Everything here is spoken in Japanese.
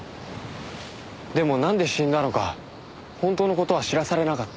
でもなんで死んだのか本当の事は知らされなかった。